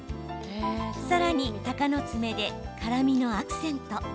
さらにたかのつめで辛みのアクセント。